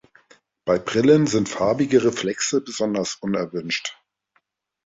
Bei Brillen sind farbige Reflexe besonders unerwünscht.